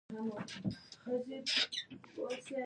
کښتونه د غزل وکره، سپین جبین خالدارې